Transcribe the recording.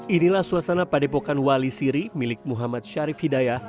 inilah suasana padepokan wali siri milik muhammad syarif hidayah